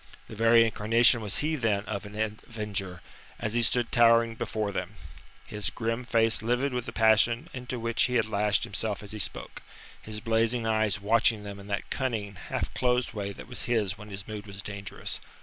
The very incarnation was he then of an avenger, as he stood towering before them, his grim face livid with the passion into which he had lashed himself as he spoke, his blazing eyes watching them in that cunning, half closed way that was his when his mood was dangerous.